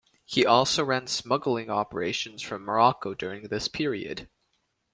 He also ran smuggling operations from Morocco during this period.